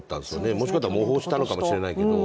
もしかしたら模倣したのかもしれないですけど。